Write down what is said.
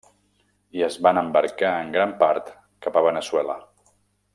I es van embarcar en gran part cap a Veneçuela.